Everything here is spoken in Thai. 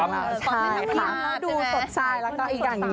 ดูสดใจแล้วก็อีกอย่างนี้